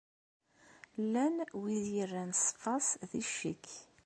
Llan wid yerran ṣṣfa-s di ccekk.